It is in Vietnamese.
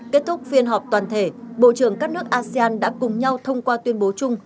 kết thúc phiên họp toàn thể bộ trưởng các nước asean đã cùng nhau thông qua tuyên bố chung